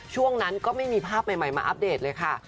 ช่วงนั้นก็ไม่มีภาพใหม่มาอัปเดตเลยค่ะ